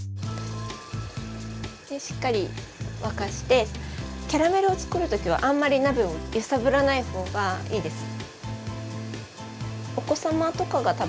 しっかり沸かしてキャラメルを作る時はあんまり鍋を揺さぶらない方がいいです。